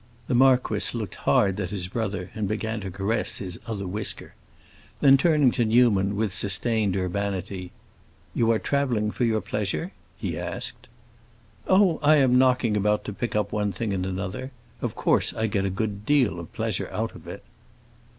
The marquis looked hard at his brother, and began to caress his other whisker. Then, turning to Newman, with sustained urbanity, "You are traveling for your pleasure?" he asked.' "Oh, I am knocking about to pick up one thing and another. Of course I get a good deal of pleasure out of it."